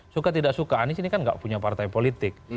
suka tidak suka anies ini kan gak punya partai politik